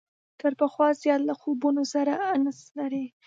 تر پخوا زیات له خوبونو سره انس لري.